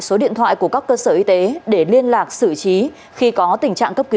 số điện thoại của các cơ sở y tế để liên lạc xử trí khi có tình trạng cấp cứu